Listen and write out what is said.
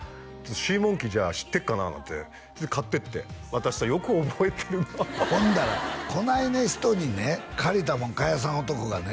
シーモンキーじゃあ知ってるかななんて買って行って渡したよく覚えてるなほんならこないに人にね借りたもん返さん男がね